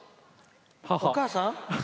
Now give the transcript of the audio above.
お母さん？